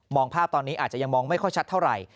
ภาพตอนนี้อาจจะยังมองไม่ค่อยชัดเท่าไหร่